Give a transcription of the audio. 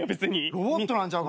ロボットなんちゃうかな。